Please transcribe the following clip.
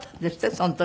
その時。